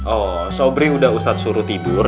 oh sobri udah ustadz suruh tidur